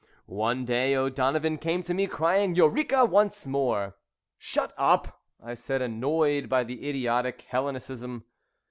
"] One day O'Donovan came to me, crying "Eureka!" once more. "Shut up!" I said, annoyed by the idiotic Hellenicism.